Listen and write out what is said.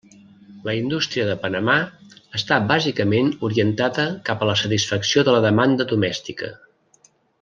La indústria de Panamà està bàsicament orientada cap a la satisfacció de la demanda domèstica.